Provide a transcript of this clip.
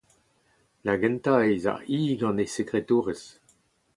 Da gentañ ez a-hi gant he sekretourez.